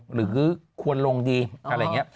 หรือควรลงดีอะไรอย่างนี้